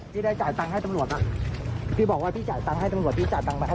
ไปก่อนไปไม่ได้ไม่ได้